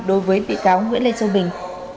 đối với bị cáo nguyễn lê châu bình